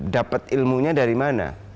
dapat ilmunya dari mana